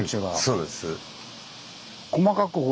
そうです。